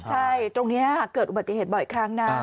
ใช่ตรงนี้เกิดอุบัติเหตุบ่อยครั้งนะ